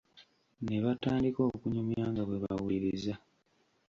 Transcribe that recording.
Ne batandika okunyumya nga bwe bawuliririza.